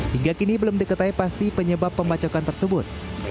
hingga kini belum diketahui pasti penyebab pembacokan tersebut